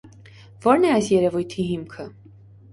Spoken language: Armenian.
Ո՞րն է այս երևույթի հիմքը։